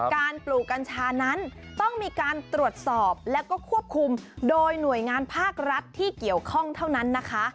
ปลูกกัญชานั้นต้องมีการตรวจสอบแล้วก็ควบคุมโดยหน่วยงานภาครัฐที่เกี่ยวข้องเท่านั้นนะคะ